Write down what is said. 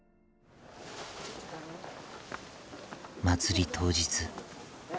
祭り当日。